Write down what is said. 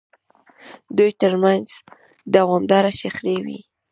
دوی ترمنځ دوامداره شخړې وې.